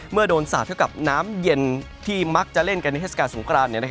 เมื่อโดนสาดเท่ากับน้ำเย็นที่มักจะเล่นกันในเทศกาลสงคราน